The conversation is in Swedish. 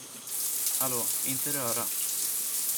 Hallå, inte röra.